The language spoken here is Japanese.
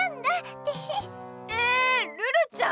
ルルちゃん！